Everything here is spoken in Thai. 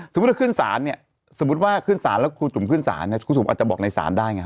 ขึ้นศาลเนี่ยสมมุติว่าขึ้นศาลแล้วครูจุ๋มขึ้นศาลเนี่ยครูจุ๋มอาจจะบอกในศาลได้ไง